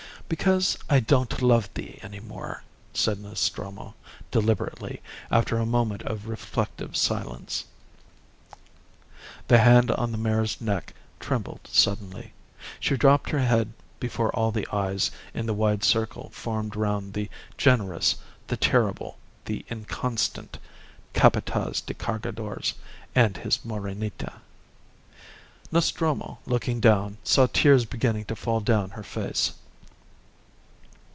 "Because I don't love thee any more," said Nostromo, deliberately, after a moment of reflective silence. The hand on the mare's neck trembled suddenly. She dropped her head before all the eyes in the wide circle formed round the generous, the terrible, the inconstant Capataz de Cargadores, and his Morenita. Nostromo, looking down, saw tears beginning to fall down her face.